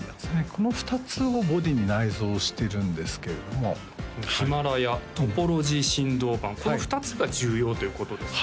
この２つをボディーに内蔵してるんですけれどもヒマラヤトポロジー振動板この２つが重要ということですね